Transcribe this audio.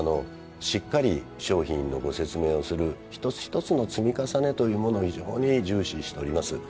しっかり商品のご説明をする一つ一つの積み重ねというものを非常に重視しております。